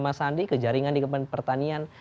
mas andi ke jaringan di kementerian pertanian